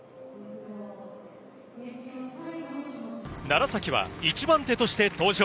楢崎は１番手として登場。